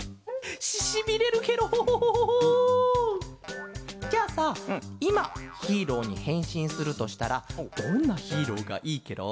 ししびれるケロ。じゃあさいまヒーローにへんしんするとしたらどんなヒーローがいいケロ？